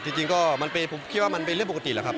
จริงก็ผมคิดว่ามันเป็นเรื่องปกติแหละครับ